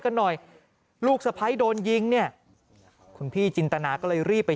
กันหน่อยลูกสะพ้ายโดนยิงเนี่ยคุณพี่จินตนาก็เลยรีบไป